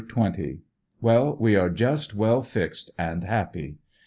— Well, we are just well fixed and happy.